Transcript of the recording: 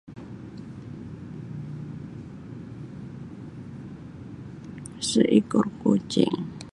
Seekor kucing.